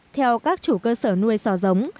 theo các chủ cơ sở nuôi xó giống